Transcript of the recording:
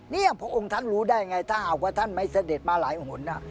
นี่พระองค์ท่านรู้ได้ไงถ้าหากว่าท่านไม่เสด็จมาหลายหน